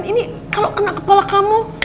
ini kalau kena kepala kamu